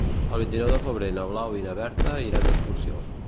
El vint-i-nou de febrer na Blau i na Berta iran d'excursió.